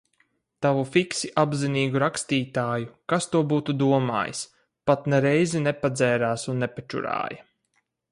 Tavu fiksi apzinīgu rakstītāju, kas to būtu domājis, pat ne reizi nepadzērās un nepačurāja.